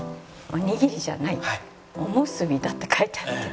「お握りじゃないお結びだ」って書いてあって。